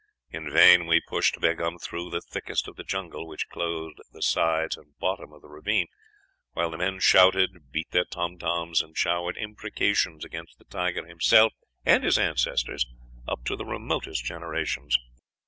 In vain we pushed Begaum through the thickest of the jungle which clothed the sides and bottom of the ravine, while the men shouted, beat their tom toms, and showered imprecations against the tiger himself and his ancestors up to the remotest generations.